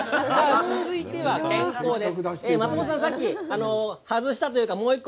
続いては健康です。